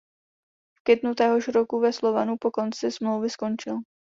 V květnu téhož roku ve Slovanu po konci smlouvy skončil.